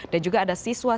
dan juga ada siswa